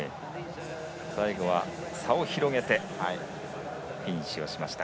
最後は差を広げてフィニッシュをしました。